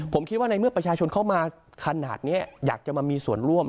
ผมคิดว่าในเมื่อประชาชนเข้ามาขนาดนี้อยากจะมามีส่วนร่วม